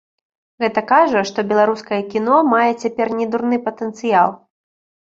Гэта кажа, што беларускае кіно мае цяпер недурны патэнцыял.